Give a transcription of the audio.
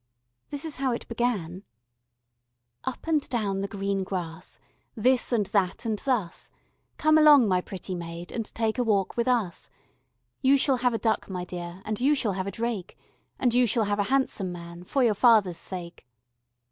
This is how it began: Up and down the green grass This and that and thus, Come along, my pretty maid, And take a walk with us; You shall have a duck, my dear, And you shall have a drake, And you shall have a handsome man, For your father's sake.